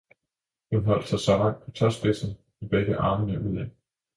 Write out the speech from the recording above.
hun holdt sig så rank på tåspidsen og begge armene udad.